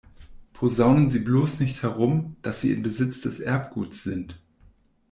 Posaunen Sie bloß nicht herum, dass Sie in Besitz des Erbguts sind!